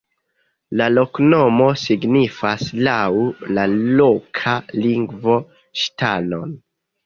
La loknomo signifas laŭ la loka lingvo ŝtonon.